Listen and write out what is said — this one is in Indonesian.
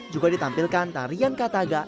juga ditampilkan tarian kataga